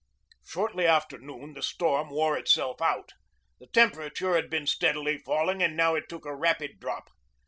Shortly after noon the storm wore itself out. The temperature had been steadily falling and now it took a rapid drop.